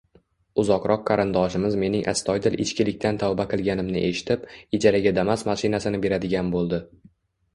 Uzoqroq qarindoshimiz mening astoydil ichkilikdan tavba qilganimni eshitib, ijaraga Damas mashinasini beradigan bo`ldi